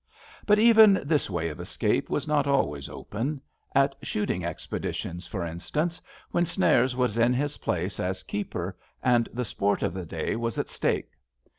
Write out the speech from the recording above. But even this way of escape was not always open — at shooting expeditions, for instance, when Snares was in his place as keeper, and the sport of the day was at «take.